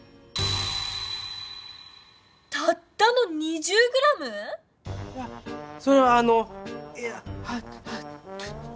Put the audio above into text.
たったの２０ｇ⁉いやそれはあのいやはっはっ。